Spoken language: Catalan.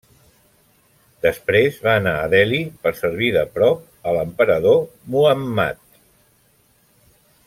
Després va anar a Delhi per servir de prop a l'emperador Muhammad.